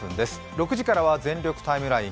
６時からは「全力ＴＩＭＥライン」。